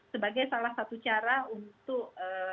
sebagai salah satu cara untuk